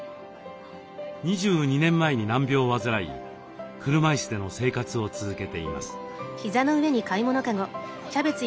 ２２年前に難病を患い車いすでの生活を続けています。